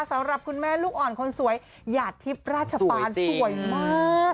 สำหรับคุณแม่ลูกอ่อนคนสวยหยาดทิพย์ราชปานสวยมาก